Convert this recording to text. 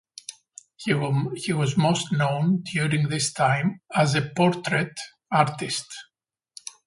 He was most known during this time as a portrait artist.